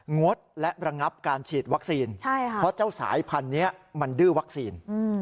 งดและระงับการฉีดวัคซีนเพราะเจ้าสายพันธุ์นี้มันดื้อวัคซีน